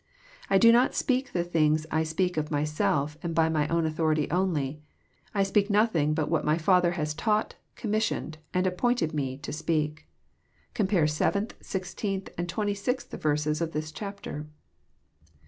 '* I do not speak the things I speak of Myself and by My own authority only. I speak nothing but what My Father has tanght, commissioned, and appointed Me to speak." Com pare 7th, 16th, and 26th verses of this chapter.